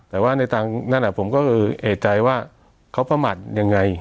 แต่ว่าในทางนั้นผมก็คือเอกใจว่าเขาประมาทยังไง